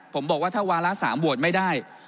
ผมบอกว่าถ้าวาระ๓โหวตไม่ได้